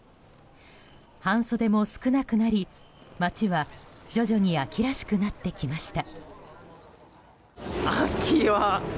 半袖も少なくなり、街は徐々に秋らしくなってきました。